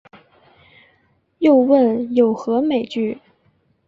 又问有何美句？